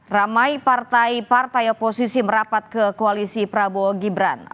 ramai partai partai oposisi merapat ke koalisi prabowo gibran